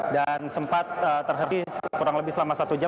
dan sempat terhenti kurang lebih selama satu jam